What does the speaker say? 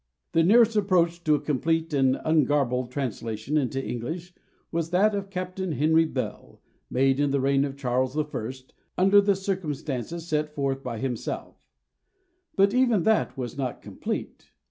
The nearest approach to a complete and ungarbled translation into English was that of Captain Henry Bell, made in the reign of Charles the First, under the circumstances set forth by himself; but even that was not complete.